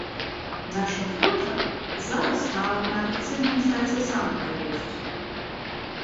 Наша фота зараз нават на афіцыйным сайце замка ёсць.